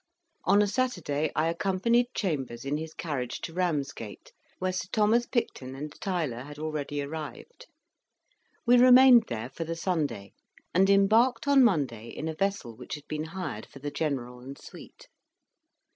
On a Saturday I accompanied Chambers in his carriage to Ramsgate, where Sir Thomas Picton and Tyler had already arrived; we remained there for the Sunday, and embarked on Monday in a vessel which had been hired for the General and suite.